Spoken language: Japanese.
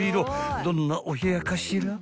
［どんなお部屋かしら？］